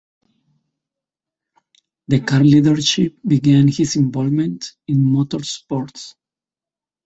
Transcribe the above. The car dealership began his involvement in motorsports.